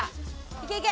いけいけ！